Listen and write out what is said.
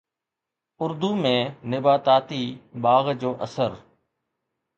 اردو ۾ نباتاتي باغ جو اثر